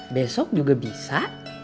besok juga bisa